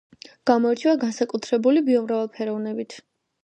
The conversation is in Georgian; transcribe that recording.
გამოირჩევა განსაკუთრებული ბიომრავალფეროვნებით.